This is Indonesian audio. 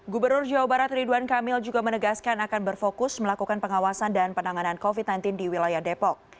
gubernur jawa barat ridwan kamil juga menegaskan akan berfokus melakukan pengawasan dan penanganan covid sembilan belas di wilayah depok